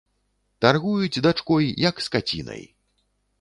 Таргуюць дачкой, як скацінай.